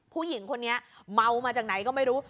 ผู้หญิงคนนี้เมามาจากไหนก็ไม่รู้